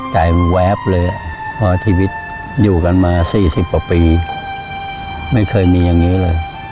ใจแวบเลยเพราะชีวิตอยู่กันมา๔๐กว่าปีไม่เคยมีอย่างนี้เลย